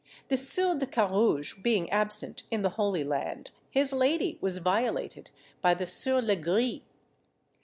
The Sieur de Carrouges being absent in the Holy Land, his lady was violated by the Sieur Legris.